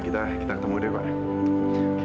kita ketemu deh pak